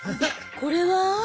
これは？